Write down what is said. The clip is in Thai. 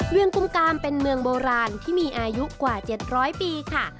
เมืองกุมกามเป็นเมืองโบราณที่มีอายุกว่า๗๐๐ปีค่ะ